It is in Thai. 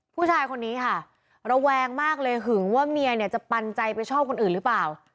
ผู้ชายคนนี้ค่ะระแวงมากเลยหึงว่าเมียเนี่ยจะปันใจไปชอบคนอื่นหรือเปล่า